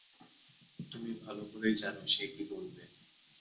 তুমি ভালো করেই জানো সে কী বলবে!